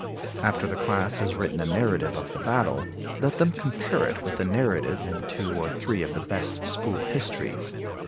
After the class has written a narrative of the battle, let them compare it with the narrative in two or three of the best school histories.